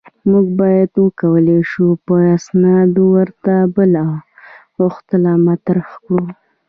موږ باید وکولای شو په استناد ورته بله غوښتنه مطرح کړو.